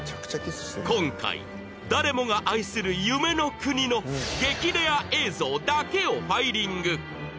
今回誰もが愛する夢の国のだけをファイリング